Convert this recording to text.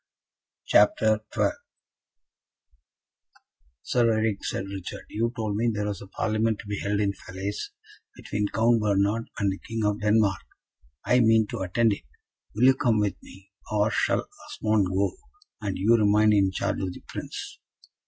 CHAPTER XII "Sir Eric," said Richard, "you told me there was a Parlement to be held at Falaise, between Count Bernard and the King of Denmark. I mean to attend it. Will you come with me, or shall Osmond go, and you remain in charge of the Prince?"